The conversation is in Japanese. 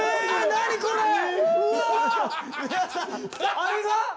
あれが？